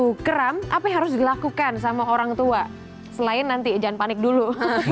terus kalau anak itu kram apa yang harus dilakukan sama orang tua selain nanti jangan panik dulu